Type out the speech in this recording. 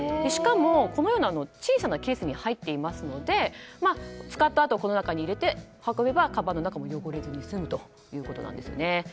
しかも、このような小さなケースに入っていますので使ったあとはこの中に入れて運べばかばんの中も汚れずに済むということなんですね。